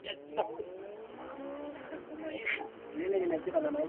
kutoa msaada kwa waathiriwa wote wa tsunami hi